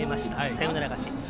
サヨナラ勝ち。